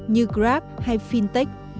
như grab hay fintech